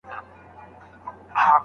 نړیوال سازمانونه فعالیت کوي.